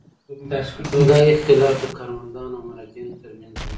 دا اختلاف د کارمندانو او مراجعینو ترمنځ وي.